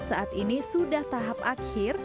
saat ini sudah tahap akhir